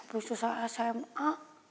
apa itu saat sma